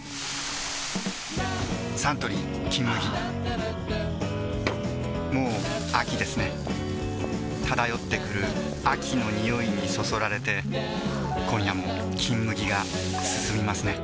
サントリー「金麦」もう秋ですね漂ってくる秋の匂いにそそられて今夜も「金麦」がすすみますね